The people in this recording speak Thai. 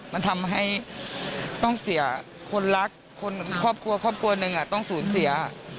มันทำให้ต้องเสียคนรักคนครอบครัวครอบครัวหนึ่งต้องสูญเสีย